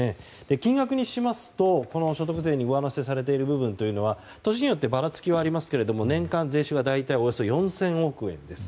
金額にしますと、所得税に上乗せされている部分は年によって、ばらつきはありますけれども、年間の税収がおよそ４０００億円です。